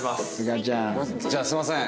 じゃあすみません